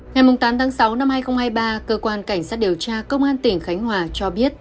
ngày tám tháng sáu năm hai nghìn hai mươi ba cơ quan cảnh sát điều tra công an tỉnh khánh hòa cho biết